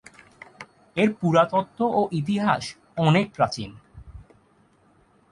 এর পুরাতত্ত্ব ও ইতিহাস অনেক প্রাচীন।